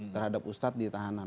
terhadap ustadz di tahanan